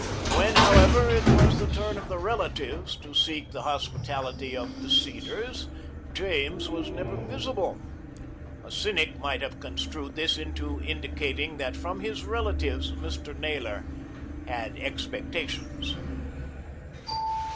When, however, it was the turn of the relatives to seek the hospitality of "The Cedars," James was never visible. A cynic might have construed this into indicating that from his relatives Mr. Naylor had expectations.